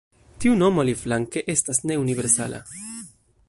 Tiu nomo, aliflanke, estas ne universala.